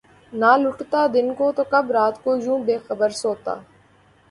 نہ لٹتا دن کو‘ تو کب رات کو یوں بے خبر سوتا!